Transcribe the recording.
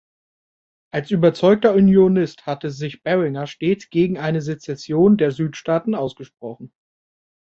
Als überzeugter Unionist hatte sich Barringer stets gegen eine Sezession der Südstaaten ausgesprochen.